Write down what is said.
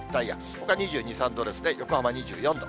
ほか２２、３度ですね、横浜２４度。